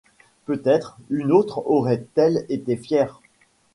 Peut-être une autre aurait-elle été fière.